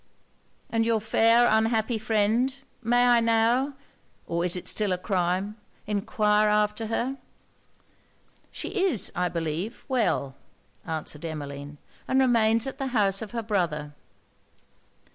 'And your fair unhappy friend? May I now (or is it still a crime,) enquire after her.' 'She is, I believe, well,' answered Emmeline, 'and remains at the house of her brother.'